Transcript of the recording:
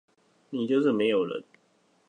你就是沒有人